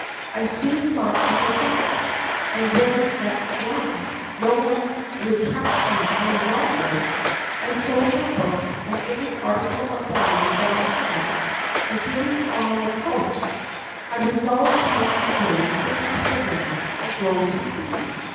I soon got into debt, and when at last no one would trust me any longer, I sold my books and every article of value that I had, and getting on the coach, I resolved to make my way to Amsterdam and go to sea.